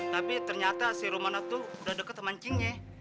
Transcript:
tapi ternyata si romano tuh udah deket sama anjingnya